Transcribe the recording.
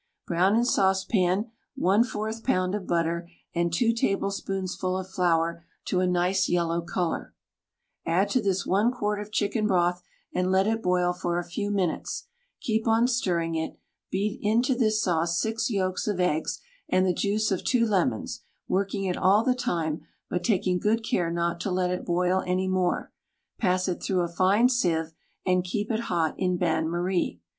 Brown in saucepan J4 pound of butter and two table spoonsful of flour to a nice yellow color, add to this one quart of chicken broth and let it boil for a few minutes, keeping on stirring it; beat into this sauce six yolks of eggs and the juice of two lemons, working it all the time, but taking good care not to let it boil any more; pass it through a fine sieve and keep it hot in Bain Marie.